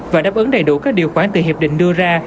và đáp ứng đầy đủ các điều khoản từ hiệp định đưa ra